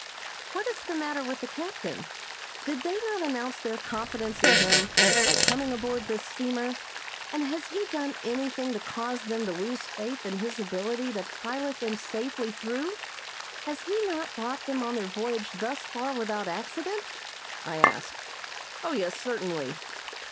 "What is the matter with the captain? Did they not announce their confidence in him by coming aboard this steamer, and has he done anything to cause them to lose faith in his ability to pilot them safely through? Has he not brought them on their voyage thus far without accident?" I asked. "Oh, yes, certainly."